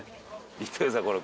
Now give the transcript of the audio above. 見てくださいこれ。